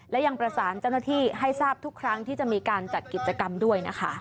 และยังประสานเจ้าหน้าที่ให้ทราบทุกครั้งที่จะมีการจัดกิจกรรมด้วยนะคะ